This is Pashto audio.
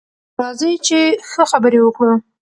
راځئ چې ښه خبرې وکړو.